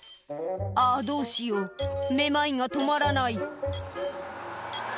「あどうしよう目まいが止まらない」